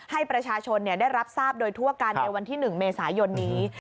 ให้ประชาชนได้รับทราบโดยทั่วกันในวันที่๑เมษายนนี้